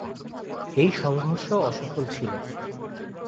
এই সংঘর্ষ অসফল ছিল।